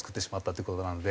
という事なので。